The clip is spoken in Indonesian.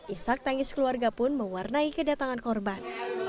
isak tangis keluarga pun mewarnai kedatangan korban